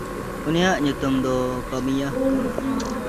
ᱩᱱᱤᱭᱟᱜ ᱧᱩᱛᱩᱢ ᱫᱚ ᱠᱷᱟᱢᱤᱭᱟᱦ ᱠᱟᱱᱟ᱾